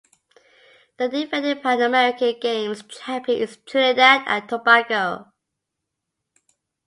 The defending Pan American Games champion is Trinidad and Tobago.